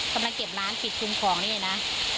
กำลังเก็บร้านปิดชุมของนี่เลยนะ